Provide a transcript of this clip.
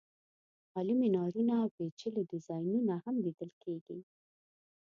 عالي مېنارونه او پېچلي ډیزاینونه هم لیدل کېږي.